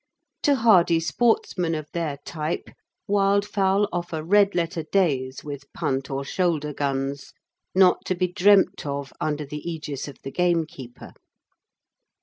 To hardy sportsmen of their type, wildfowl offer red letter days with punt or shoulder guns, not to be dreamt of under the ægis of the gamekeeper.